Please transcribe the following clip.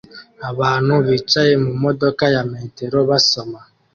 Abantu bicaye mumodoka ya metero basoma